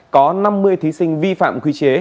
có năm mươi thí sinh vi phạm quy chế